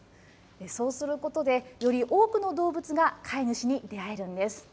そうすることでより多くの動物が飼い主に出会えるんです。